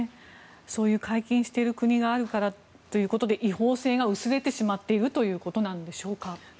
そういう解禁している国があるからということで違法性が薄れてしまっているということなんでしょうか。